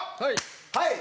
はい。